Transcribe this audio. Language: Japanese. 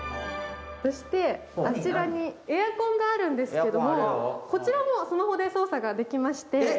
あちらにエアコンがあるんですけども、こちらもスマホで操作ができまして。